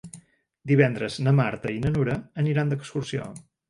Divendres na Marta i na Nura aniran d'excursió.